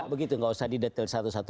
tidak begitu tidak usah didetail satu satu